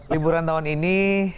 liburan tahun ini